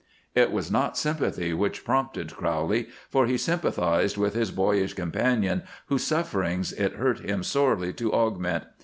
It was not sympathy which prompted Crowley, for he sympathized with his boyish companion, whose sufferings it hurt him sorely to augment.